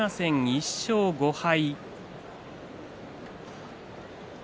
１勝５敗。